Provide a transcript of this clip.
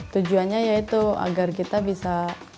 tujuannya yaitu agar kita bisa